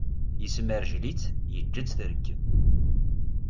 Yesmerjgel-itt, yeǧǧa-tt trekkem.